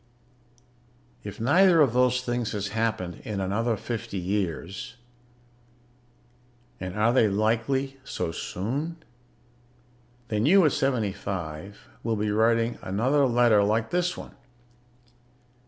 If neither of those things has happened in another fifty years (and are they likely so soon?), then you, at seventy five, will be writing another letter like this one.